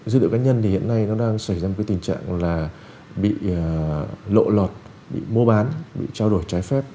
dữ liệu cá nhân hiện nay đang xảy ra một tình trạng bị lộ lọt bị mô bán bị trao đổi trái phép